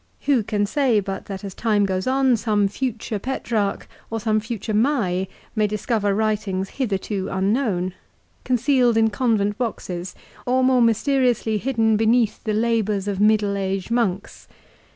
Who can say but that as time goes on some future Petrarch or some future Mai may discover writings hitherto unknown, concealed in convent boxes, or more mysteriously hidden beneath the labours of middle age monks